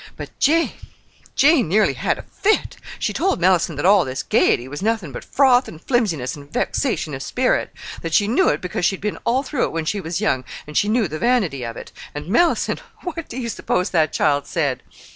But Jane—Jane nearly had a fit. She told Mellicent that all this gayety was nothing but froth and flimsiness and vexation of spirit. That she knew it because she'd been all through it when she was young, and she knew the vanity of it. And Mellicent—what do you suppose that child said?"